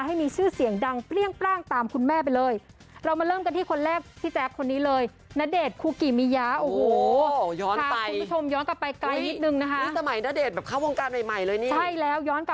ให้มีชื่อเสียงดังเปรี้ยงปร่างตามคุณแม่ไปเลย